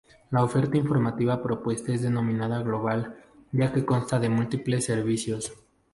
La oferta informativa propuesta es denominada global, ya que consta de múltiples servicios.